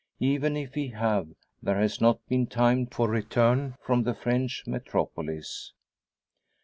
Even if he have, there has not been time for return from the French metropolis.